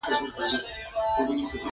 چې زه هم جهاد ته ولاړ سم.